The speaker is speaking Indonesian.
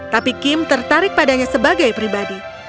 tapi kim tertarik padanya sebagai pribadi